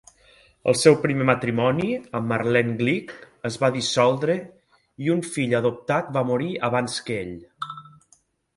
El seu primer matrimoni, amb Marlene Glick, es va dissoldre i un fill adoptat va morir abans que ell.